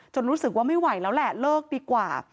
รู้สึกว่าไม่ไหวแล้วแหละเลิกดีกว่า